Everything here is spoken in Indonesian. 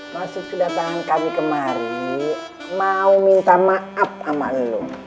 masuk kedatangan kami kemari mau minta maaf sama lo